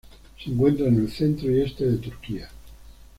Se encuentra en el centro y este de Turquía.